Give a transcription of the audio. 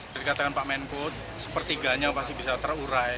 dikatakan pak menkut sepertiganya pasti bisa terurai